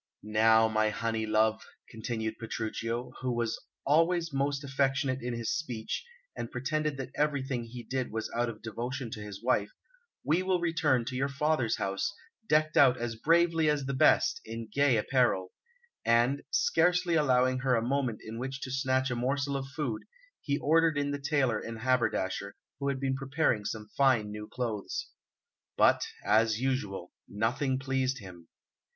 "Now, my honey love," continued Petruchio, who was always most affectionate in his speech, and pretended that everything he did was out of devotion to his wife, "we will return to your father's house, decked out as bravely as the best, in gay apparel;" and, scarcely allowing her a moment in which to snatch a morsel of food, he ordered in the tailor and haberdasher, who had been preparing some fine new clothes. But, as usual, nothing pleased him.